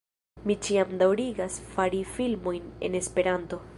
Mi ĉiam daŭrigas fari filmojn en Esperanto